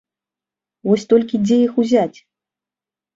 Вось толькі дзе іх узяць?